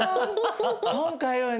今回はね